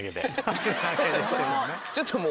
ちょっともう。